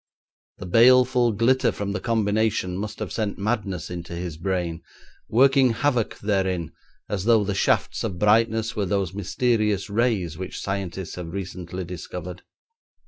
The baleful glitter from the combination must have sent madness into his brain, working havoc therein as though the shafts of brightness were those mysterious rays which scientists have recently discovered.